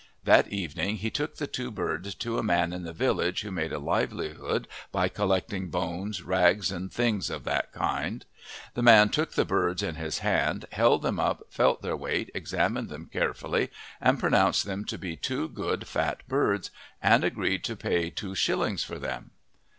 That evening he took the two birds to a man in the village who made a livelihood by collecting bones, rags, and things of that kind; the man took the birds in his hand, held them up, felt their weight, examined them carefully, and pronounced them to be two good, fat birds, and agreed to pay two shillings for them.